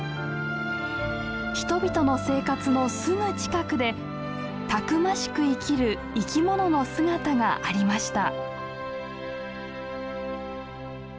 人々の生活のすぐ近くでたくましく生きる生き物の姿がありました。